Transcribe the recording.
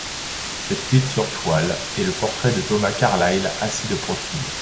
Cette huile sur toile est le portrait de Thomas Carlyle assis de profil.